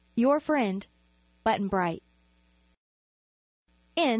Your friend, BUTTON BRIGHT." THE END.